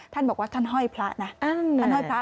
ท่านบอกว่าท่านห้อยพระนะท่านห้อยพระ